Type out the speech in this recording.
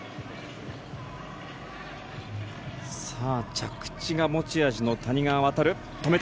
着地が持ち味の谷川航。